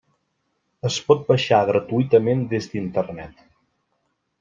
Es pot baixar gratuïtament des d'Internet.